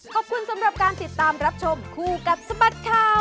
ขอบคุณสำหรับการติดตามรับชมคู่กับสบัดข่าว